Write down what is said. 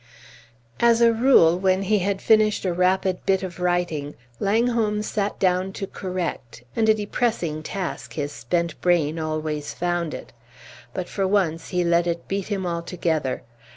As a rule when he had finished a rapid bit of writing, Langholm sat down to correct, and a depressing task his spent brain always found it; but for once he let it beat him altogether.